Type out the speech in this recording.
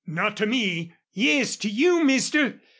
"Not to me!" "Yes, to you, mister.